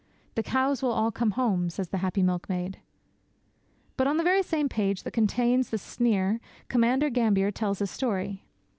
'The cows will all come home,' says the happy milkmaid. But on the very same page that contains the sneer Commander Gambier tells this story.